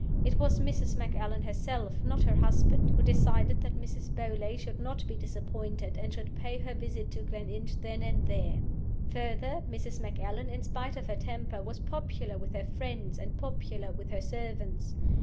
It was Mrs. Macallan herself not her husband who decided that Mrs. Beauly should not be disappointed, and should pay her visit to Gleninch then and there. Further, Mrs. Macallan (in spite of her temper) was popular with her friends and popular with her servants.